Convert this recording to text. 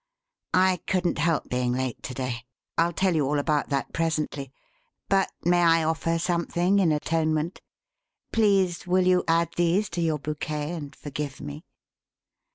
I couldn't help being late to day I'll tell you all about that presently but may I offer something in atonement? Please, will you add these to your bouquet and forgive me?"